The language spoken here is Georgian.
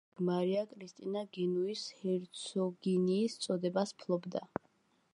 ამის შემდეგ მარია კრისტინა გენუის ჰერცოგინიის წოდებას ფლობდა.